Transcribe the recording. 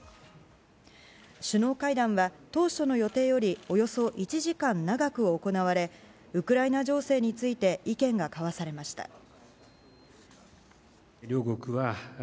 首脳会談は当初の予定よりおよそ１時間長く行われウクライナ情勢について意見が交わされました。